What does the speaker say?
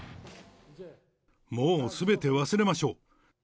もうすべて忘れましょう。